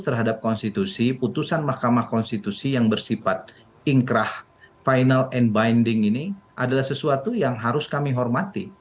terhadap konstitusi putusan mahkamah konstitusi yang bersifat ingkrah final and binding ini adalah sesuatu yang harus kami hormati